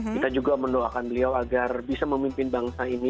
kita juga mendoakan beliau agar bisa memimpin bangsa ini